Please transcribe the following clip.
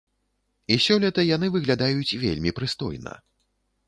І сёлета яны выглядаюць вельмі прыстойна.